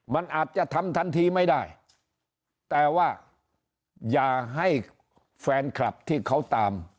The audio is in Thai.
มันอาจจะทำทันทีไม่ได้แต่ว่าอย่าให้แฟนคลับที่เขาตาม